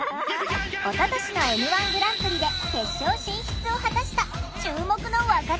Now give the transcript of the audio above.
おととしのＭ−１グランプリで決勝進出を果たした注目の若手芸人だ！